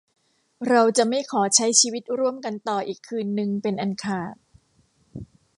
เราจะไม่ขอใช้ชีวิตร่วมกันต่ออีกคืนนึงเป็นอันขาด